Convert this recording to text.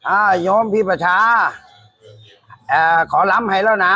โยมพี่ประชาเอ่อขอล้ำให้แล้วนะ